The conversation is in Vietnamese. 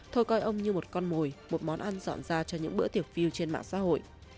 thôi coi ông như một con mồi một món ăn dọn ra cho những bữa tiệc phiêu trên mạng xã hội